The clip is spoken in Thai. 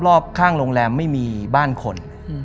รอบข้างโรงแรมไม่มีบ้านคน